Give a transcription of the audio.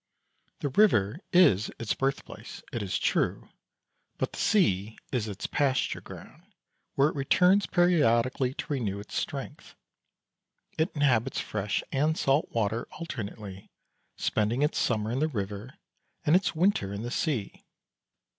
The river is its birthplace, it is true, but the sea is its pasture ground, where it returns periodically to renew its strength. It inhabits fresh and salt water alternately, spending its summer in the river and its winter in the sea.